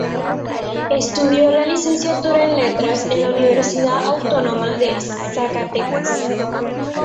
Estudió la Licenciatura en Letras en la Universidad Autónoma de Zacatecas.